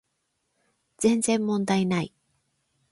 全然問題ない